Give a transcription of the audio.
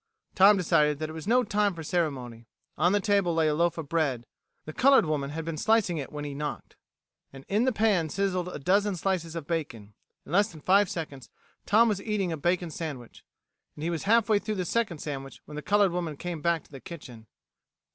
Tom decided that it was no time for ceremony. On the table lay a loaf of bread the colored woman had been slicing it when he knocked and in the pan sizzled a dozen slices of bacon. In less than five seconds, Tom was eating a bacon sandwich. And he was halfway through the second sandwich when the colored woman came back to the kitchen.